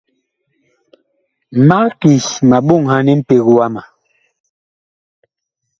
Mag ki ma ɓoŋhan mpeg wama.